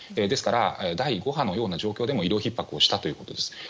ですから、第５波のような状況でも医療ひっ迫をしたということです。